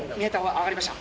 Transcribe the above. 分かりました。